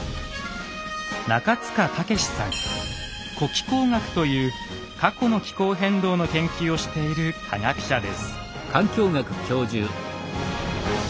「古気候学」という過去の気候変動の研究をしている科学者です。